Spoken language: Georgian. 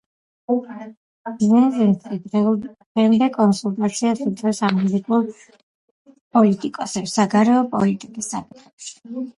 ბჟეზინსკი დღემდე კონსულტაციას უწევს ამერიკელ პოლიტიკოსებს საგარეო პოლიტიკის საკითხებში.